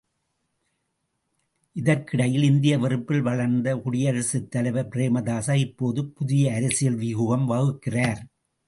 இதற்கிடையில் இந்திய வெறுப்பில் வளர்ந்த இலங்கைக் குடியரசுத் தலைவர் பிரேமதாசா இப்போது புதிய அரசியல் வியூகம் வகுக்கிறார்.